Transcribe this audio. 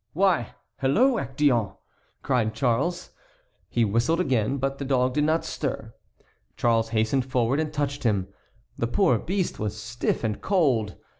"Why! hello, Actéon!" cried Charles. He whistled again, but the dog did not stir. Charles hastened forward and touched him; the poor beast was stiff and cold.